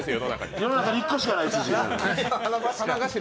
世の中に１個しかない寿司。